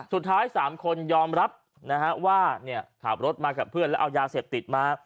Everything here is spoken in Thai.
สุดท้ายสามคนยอมรับนะฮะว่าเนี่ยขับรถมากับเพื่อนแล้วเอายาเสพติดมา